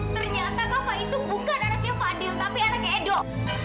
ternyata kava itu bukan anaknya fadil tapi anaknya edo